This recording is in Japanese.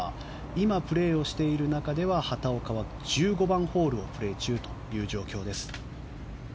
今、プレーをしている中では畑岡は１５番ホールをプレー中という状況です。